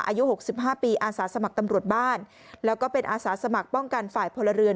อายุ๖๕ปีอาสาสมัครตำรวจบ้านแล้วก็เป็นอาสาสมัครป้องกันฝ่ายพลเรือน